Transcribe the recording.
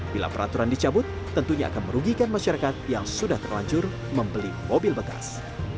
bila peraturan dicabut tentunya akan merugikan masyarakat yang sudah terlanjur membeli mobil bekas